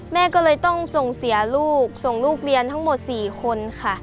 แม่ก็เลยต้องส่งเสียลูกส่งลูกเรียนทั้งหมด๔คนค่ะ